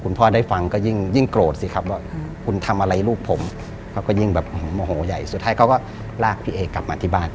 พ่อได้ฟังก็ยิ่งโกรธสิครับว่าคุณทำอะไรลูกผมเขาก็ยิ่งแบบโมโหใหญ่สุดท้ายเขาก็ลากพี่เอกลับมาที่บ้าน